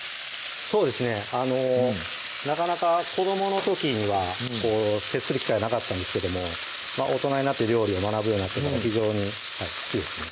そうですねあのなかなか子どもの時には接する機会なかったんですけども大人になって料理を学ぶようになってから非常に好きですね